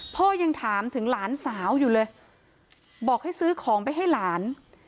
พ่อยังถามถึงหลานสาวอยู่เลยบอกให้ซื้อของไปให้หลาน